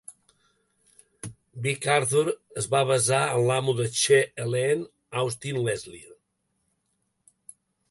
Big Arthur es va basar en l'amo de Chez Helene, Austin Leslie.